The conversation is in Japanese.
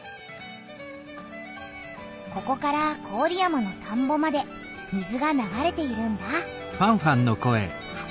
ここから郡山の田んぼまで水が流れているんだ。